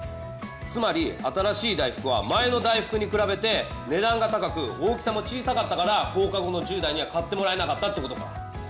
つまり新しい大福は前の大福に比べて値段が高く大きさも小さかったから放課後の１０代には買ってもらえなかったってことか。